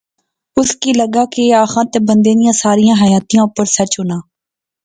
اس کی لغنا کہ ایہہ آخان تہ بندے نیاں ساریا حیاتیا اوپر سچ ہونا